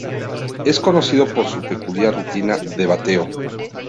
Es conocido por su peculiar rutina de bateo.